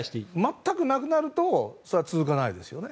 全くなくなると続かないですよね。